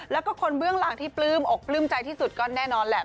แล้วก็คนเบื้องหลังที่ปลื้มอกปลื้มใจที่สุดก็แน่นอนแหละ